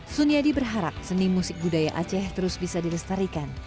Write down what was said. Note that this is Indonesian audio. suniadi berharap seni musik budaya aceh terus bisa dilestarikan